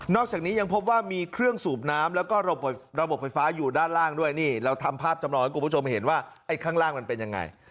จากนี้ยังพบว่ามีเครื่องสูบน้ำแล้วก็ระบบไฟฟ้าอยู่ด้านล่างด้วยนี่เราทำภาพจำลองให้คุณผู้ชมเห็นว่าไอ้ข้างล่างมันเป็นยังไง